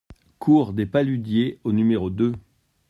Cour des Paludiers au numéro deux